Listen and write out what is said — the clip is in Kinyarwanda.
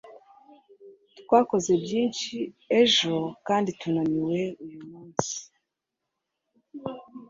Twakoze byinshi ejo kandi tunaniwe uyu munsi.